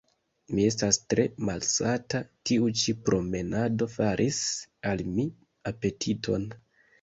Mi estas tre malsata; tiu ĉi promenado faris al mi apetiton.